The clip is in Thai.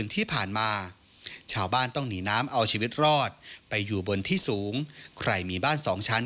ถ้าชั้นไม่สรับชั้นในสรบร้านอาศัย